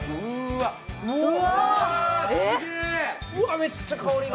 うわっ、めっちゃ香りが。